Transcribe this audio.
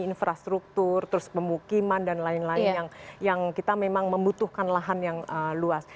infrastruktur terus pemukiman dan lain lain yang kita memang membutuhkan lahan yang luas